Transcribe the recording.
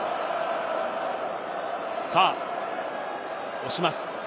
さぁ押します。